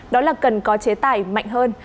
đó là cần có chế tài mạnh hơn